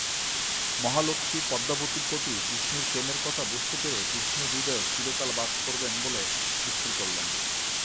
মহালক্ষ্মী পদ্মাবতীর প্রতি বিষ্ণুর প্রেমের কথা বুঝতে পেরে বিষ্ণুর হৃদয়ে চিরকাল বাস করবেন বলে স্থির করলেন।